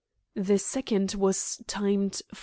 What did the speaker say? The second was timed 4.